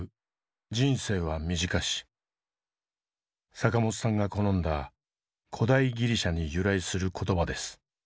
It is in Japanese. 坂本さんが好んだ古代ギリシャに由来する言葉です。